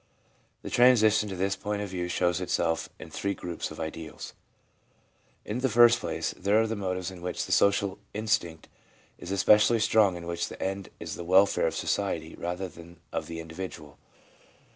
The transition to this point of view shows itself in three groups of ideals. In the first place, there are the motives in which the social instinct is especially strong and in which the end is the welfare of society rather than of the individual.